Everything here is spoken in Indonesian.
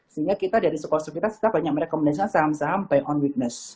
sehingga kita dari sekolah sekolah kita banyak merekomendasikan saham saham by on weakness